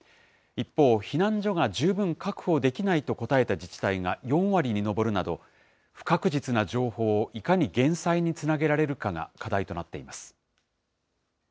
一方、避難所が十分確保できないと答えた自治体が４割に上るなど、不確実な情報をいかに減災につなげられるかが課題となっています。